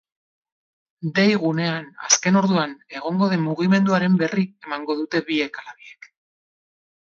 Dei-gunean azken orduan egongo den mugimenduaren berri emango dute biek ala biek.